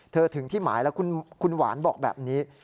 ถึงที่หมายแล้วคุณหวานบอกแบบนี้